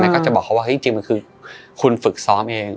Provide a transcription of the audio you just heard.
ก็จะบอกเขาว่าเฮ้ยจริงมันคือคุณฝึกซ้อมเอง